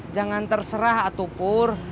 jangan terserah atupur